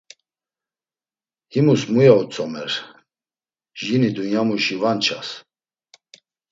Himus muya utzomer, jini dunyamuşis va nças.